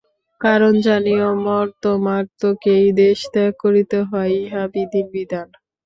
কারণ, জানিও মর্ত্যমাত্রকেই দেহত্যাগ করিতে হয়, ইহাই বিধির বিধান।